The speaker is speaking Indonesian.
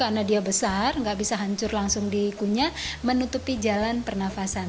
karena dia besar tidak bisa hancur langsung di kunyit menutupi jalan pernafasan